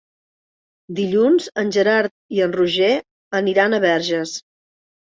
Dilluns en Gerard i en Roger aniran a Verges.